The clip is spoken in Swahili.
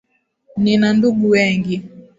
Nina ndugu wengi.